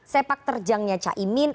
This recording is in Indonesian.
sepak terjangnya caimin